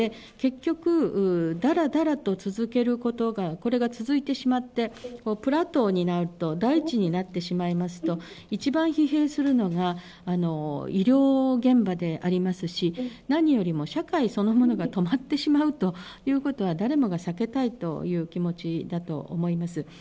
結局、だらだらと続けることが、これが続いてしまって、プラトーになると、だいちになってしまいますと、一番疲弊するのが、医療現場でありますし、何よりも社会そのものが止まってしまうということは、誰もが避けたいという気持ちだと思います。